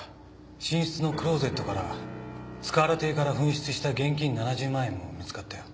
寝室のクローゼットから塚原邸から紛失した現金７０万円も見つかったよ。